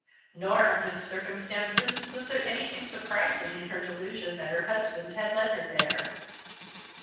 Nor, under the circumstances, was there anything surprising in her delusion that her husband had led her there.